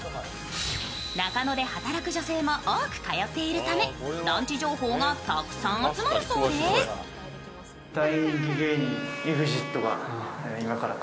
中野で働く女性も多く通っているためランチ情報がたくさん集まるそうです。